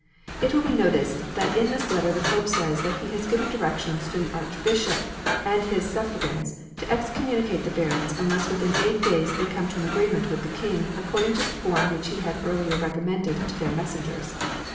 It will be noticed that in this letter the Pope says that he has given directions to the archbishop and his suffragans to excommunicate the barons unless within eight days they come to an agreement with the King according to the form which he had earlier recom mended to their messengers.